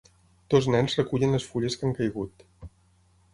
Dos nens recullen les fulles que han caigut.